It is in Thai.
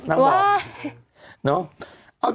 นางบอกเนาะ